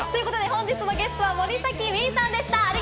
本日のゲスト、森崎ウィンさんでした。